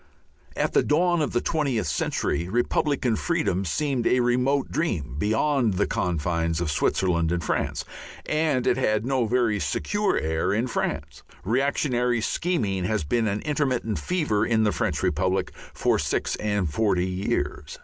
At the dawn of the twentieth century republican freedom seemed a remote dream beyond the confines of Switzerland and France and it had no very secure air in France. Reactionary scheming has been an intermittent fever in the French republic for six and forty years.